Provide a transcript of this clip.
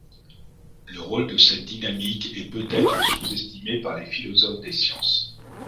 Le rôle de cette dynamique est peut-être sous-estimé par les philosophes des sciences.